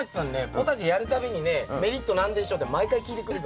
ポタジェやる度にねメリット何でしょう？って毎回聞いてくるから。